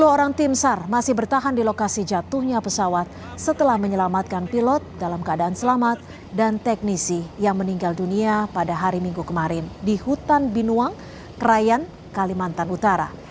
dua puluh orang tim sar masih bertahan di lokasi jatuhnya pesawat setelah menyelamatkan pilot dalam keadaan selamat dan teknisi yang meninggal dunia pada hari minggu kemarin di hutan binuang krayan kalimantan utara